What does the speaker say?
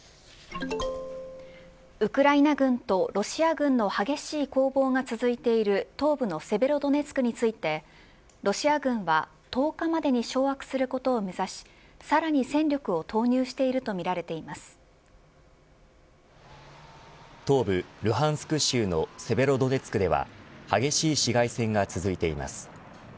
ウクライナ軍とロシア軍の激しい攻防が続いている東部のセベロドネツクについてロシア軍は１０日までに掌握することを目指しさらに戦力を投入しているとみられていま東部ルハンスク州のセベロドネツクでは激しい市街戦が続いています。